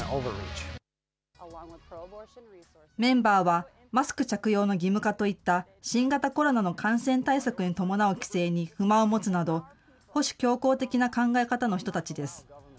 メンバーはマスク着用の義務化といった新型コロナの感染対策に伴う規制に不満を持つなど、保守強硬的な考え方の人たちです。